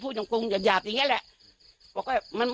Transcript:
ผู้จำกรุงหยาบอย่างนี้แหละ